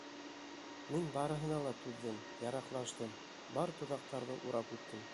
Мин барыһына ла түҙҙем, яраҡлаштым, бар тоҙаҡтарҙы урап үттем.